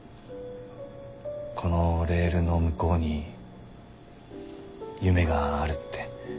このレールの向こうに夢があるって。